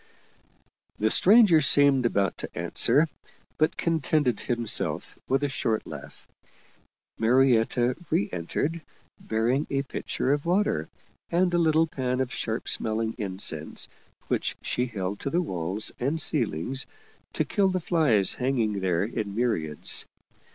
The stranger seemed about to answer, but contented himself with a short laugh. Marietta reentered, bearing a pitcher of water and a little pan of sharp smelling incense, which she held to the walls and ceilings to kill the flies hanging there in myriads.